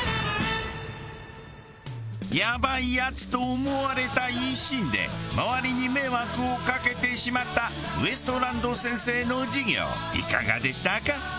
やばいヤツと思われたい一心で周りに迷惑をかけてしまったウエストランド先生の授業いかがでしたか？